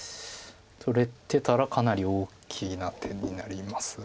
取れてたらかなり大きな手になります。